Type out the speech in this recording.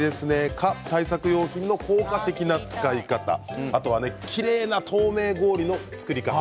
蚊対策用品の効果的な使い方きれいな透明氷の作り方